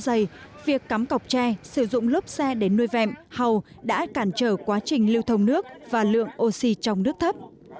vì vậy việc cắm cọc tre sử dụng lốp xe để nuôi vẹm hầu đã cản trở quá trình lưu thông nước và lượng oxy trong nước thấp